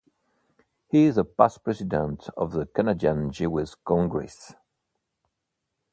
He is a past president of the Canadian Jewish Congress.